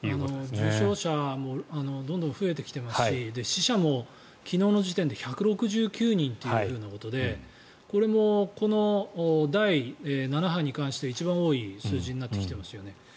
重症者もどんどん増えてきていますし死者も昨日の時点で１６９人ということでこれも第７波に関して一番多い数字になってきていますよね。